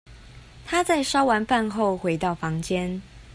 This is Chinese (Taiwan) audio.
她在燒完飯後回到房間